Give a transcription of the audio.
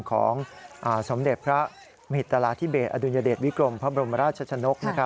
ของสมเด็จพระมหิตราธิเบสอดุญเดชวิกรมพระบรมราชชนก